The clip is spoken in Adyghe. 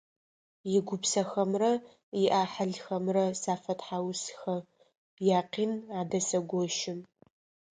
Игупсэхэмрэ иӏахьылхэмрэ сафэтхьаусыхэ, якъин адэсэгощы.